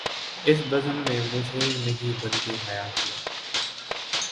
اس بزم میں مجھے نہیں بنتی حیا کیے